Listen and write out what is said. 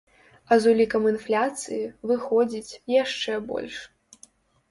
А з улікам інфляцыі, выходзіць, яшчэ больш.